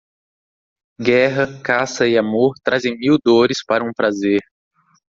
Guerra, caça e amor trazem mil dores para um prazer.